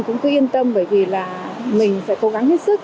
cũng cứ yên tâm bởi vì là mình phải cố gắng hết sức